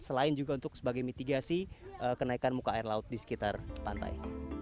selain juga untuk sebagai mitigasi kenaikan muka air laut di sekitar pantai